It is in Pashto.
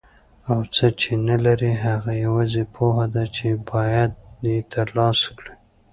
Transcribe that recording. او څه چې نه لري هغه یوازې پوهه ده چې باید یې ترلاسه کړي.